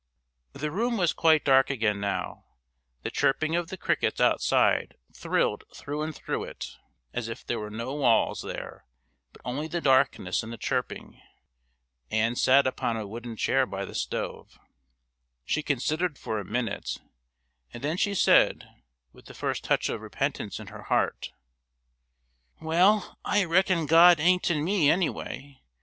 The room was quite dark again now; the chirping of the crickets outside thrilled through and through it, as if there were no walls there but only the darkness and the chirping. Ann sat upon a wooden chair by the stove. She considered for a minute, and then she said, with the first touch of repentance in her heart: "Well, I reckon God ain't in me, any way.